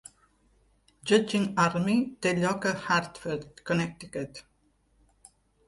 "Judging Army" té lloc a Hartford, Connecticut.